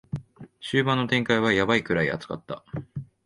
終盤の展開はヤバいくらい熱かった